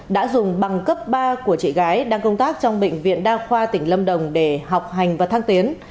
đã dùng bằng cấp ba của chị gái đang công tác trong bệnh viện đa khoa tỉnh lâm đồng để học hành và thăng tiến